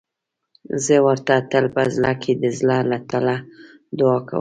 زه ورته تل په زړه کې د زړه له تله دعا کوم.